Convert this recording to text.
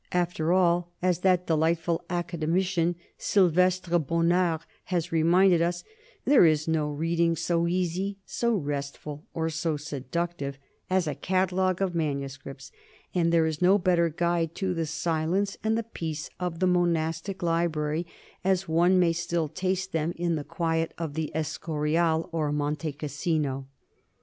After all, as that delightful academician Silvestre Bonnard has re minded us, there is no reading so easy, so restful, or so seductive as a catalogue of manuscripts; and there is no better guide to the silence and the peace of the monastic library, as one may still taste them in the quiet of the Escorial or Monte Cassino.